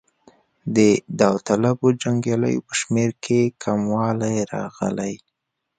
د داوطلبو جنګیالیو په شمېر کې کموالی راغی.